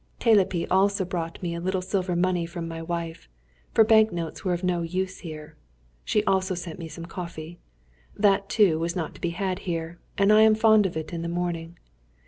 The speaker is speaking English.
Telepi also brought me a little silver money from my wife, for bank notes were of no use here. She also sent me some coffee. That, too, was not to be had here, and I am fond of it in the morning.